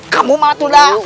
kamu mah tuh dah